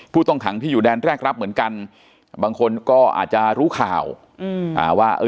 ผู้ต้องขังที่อยู่แดนแรกรับเหมือนกันบางคนก็อาจจะรู้ข่าวอืมอ่าว่าเออ